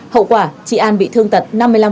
hậu quả chị an bị thương tật năm mươi năm